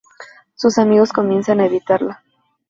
Sus amigos comienzan a evitarla.